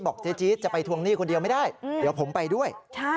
เจ๊จี๊ดจะไปทวงหนี้คนเดียวไม่ได้เดี๋ยวผมไปด้วย